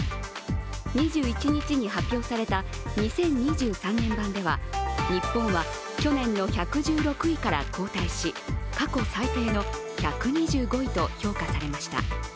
２１日に発表された２０２３年版では日本は去年の１１６位から後退し過去最低の１２５位と評価されました。